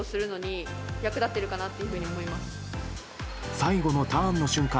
最後のターンの瞬間